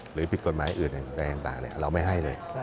ผิดกฎหมายอื่นใดต่างเราไม่ให้เลย